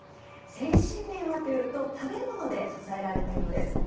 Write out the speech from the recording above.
精神面はというと食べ物で支えられたそうです。